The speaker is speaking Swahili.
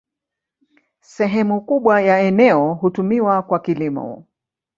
Sehemu kubwa ya eneo hutumiwa kwa kilimo.